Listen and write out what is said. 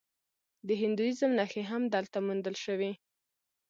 د هندویزم نښې هم دلته موندل شوي